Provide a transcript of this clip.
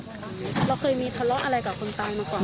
เราเคยมีทะเลาะอะไรกับคนตายมาก่อน